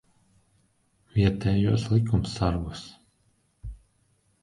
Vietējos likumsargus.